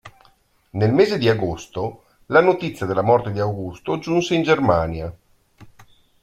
Nel mese di agosto, la notizia della morte di Augusto giunse in Germania.